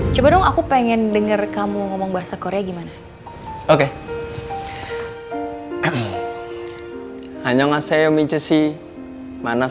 coba dong aku pengen denger kamu ngomong bahasa korea gimana